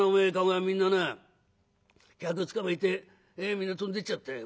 駕籠屋みんなな客つかまえてみんな飛んでっちゃったよ。